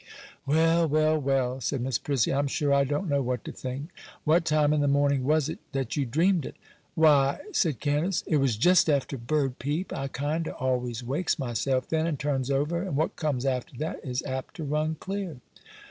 'Well! well! well!' said Miss Prissy, 'I am sure I don't know what to think. What time in the morning was it that you dreamed it?' 'Why,' said Candace, 'it was just after bird peep. I kinder always wakes myself then, and turns over, and what comes after that is apt to run clear.